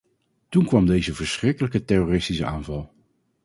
Toen kwam deze verschrikkelijke terroristische aanval.